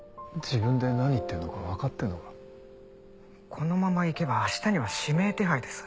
このままいけば明日には指名手配です。